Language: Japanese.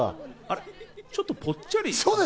ちょっとぽっちゃり？